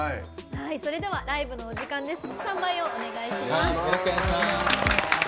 それではライブのお時間です。